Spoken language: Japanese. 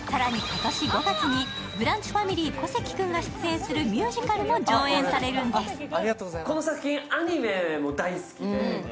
ブランチファミリー小関君が出演する、ミュージカルも上演されるんです。